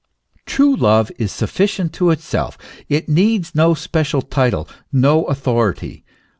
True love is sufficient to itself; it needs no special title, no authority.